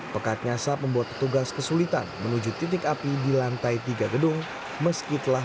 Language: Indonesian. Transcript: pekatnya asap membuat petugas kesulitan menuju titik api di lantai tiga gedung meski telah